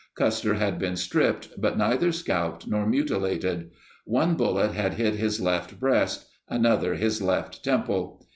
Custer had been stripped but neither scalped nor mutilated. One bullet had hit his left breast, another his left temple.